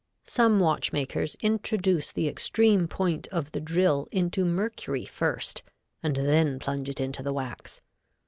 Some watchmakers introduce the extreme point of the drill into mercury first and then plunge into the wax.